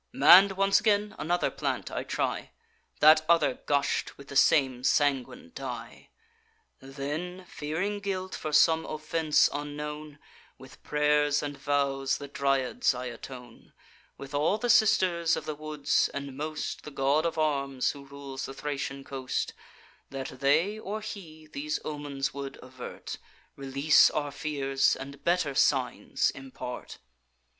Mann'd once again, another plant I try: That other gush'd with the same sanguine dye. Then, fearing guilt for some offence unknown, With pray'rs and vows the Dryads I atone, With all the sisters of the woods, and most The God of Arms, who rules the Thracian coast, That they, or he, these omens would avert, Release our fears, and better signs impart.